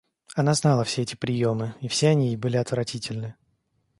Она знала все эти приемы, и все они ей были отвратительны.